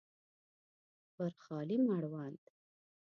پر خالي مړوند